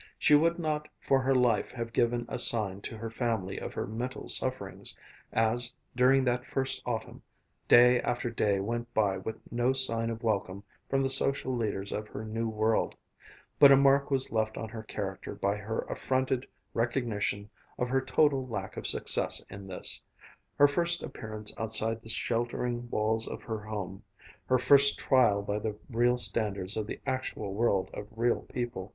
She would not for her life have given a sign to her family of her mental sufferings as, during that first autumn, day after day went by with no sign of welcome from the social leaders of her new world; but a mark was left on her character by her affronted recognition of her total lack of success in this, her first appearance outside the sheltering walls of her home; her first trial by the real standards of the actual world of real people.